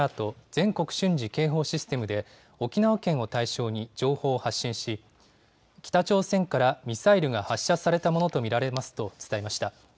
・全国瞬時警報システムで、沖縄県を対象に情報を発信し、北朝鮮からミサイルが発射されたものと見られますと伝えました。